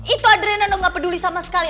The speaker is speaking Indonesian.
itu adriana gak peduli sama sekali